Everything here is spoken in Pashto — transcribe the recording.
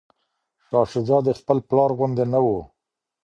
شاه شجاع د خپل پلار غوندې نه و.